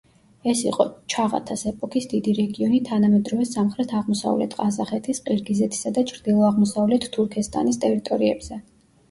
ეს იყო ჩაღათას ეპოქის დიდი რეგიონი თანამედროვე სამხრეთ–აღმოსავლეთ ყაზახეთის, ყირგიზეთისა და ჩრდილო–აღმოსავლეთ თურქესტანის ტერიტორიებზე.